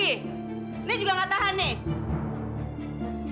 ini juga gak tahan nih